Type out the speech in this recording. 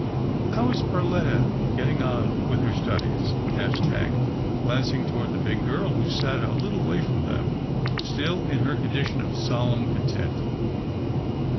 " How is Perletta getting on with her studies ?" asked Hank, glancing toward the big girl who sat a little way from them, still in her condition of solemn content.